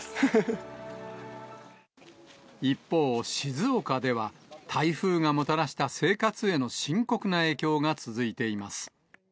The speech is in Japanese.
一方、静岡では、台風がもたらした生活への深刻な影響が続いています。